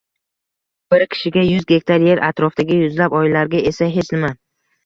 Bir kishiga — yuz gektar yer, atrofdagi yuzlab oilalarga esa — hech nima